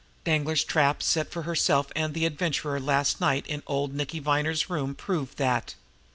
Danglar's trap set for herself and the Adventurer last night in old Nicky Viner's room proved that.